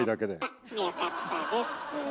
よかったです。